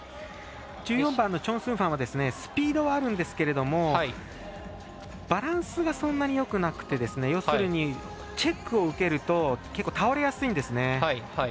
１４番のチョン・スンファンはスピードはあるんですがバランスがそんなによくなくて要するに、チェックを受けると結構倒れやすいんですよね。